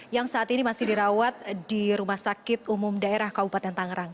yang saat ini masih dirawat di rumah sakit umum daerah kabupaten tangerang